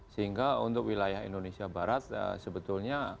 sehingga untuk wilayah indonesia barat sebetulnya